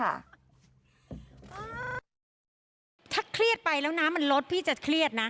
ถ้าเครียดไปแล้วน้ำมันลดพี่จะเครียดนะ